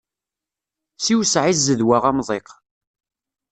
Siwseɛ i zzedwa amḍiq.